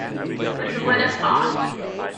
But who would have thought?